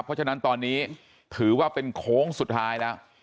เพราะฉะนั้นตอนนี้ถือว่าเป็นโค้งสุดท้ายแล้ว